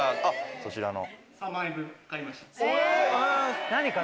そちらの。